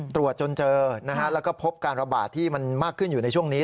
ตรวจจนเจอนะฮะแล้วก็พบการระบาดที่มันมากขึ้นอยู่ในช่วงนี้